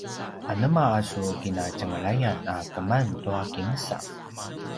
anema a su kinatjenglayan a keman tua kinsa?